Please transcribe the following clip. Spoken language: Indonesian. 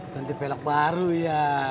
ganti pelek baru ya